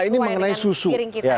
ini mengenai susu